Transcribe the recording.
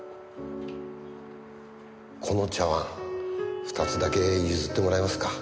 この茶碗２つだけ譲ってもらえますか？